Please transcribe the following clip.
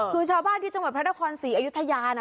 คือชาวบ้านที่จังหวัดพระนครศรีอยุธยานะ